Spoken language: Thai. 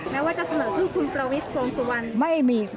แม้ว่าจะเสนอชื่อคุณประวิทย์โฟงสุวรรณ